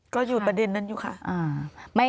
ก็อยู่ประเด็นนั้นอยู่ค่ะ